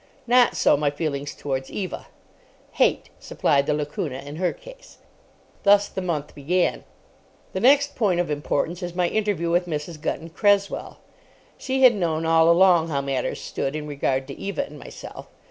Not so my feelings towards Eva. "Hate" supplied the lacuna in her case. Thus the month began. The next point of importance is my interview with Mrs. Gunton Cresswell. She had known all along how matters stood in regard to Eva and myself.